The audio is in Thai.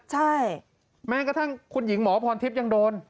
ใช่แม้กระทั่งคุณหญิงหมอพรทิพย์ยังโดน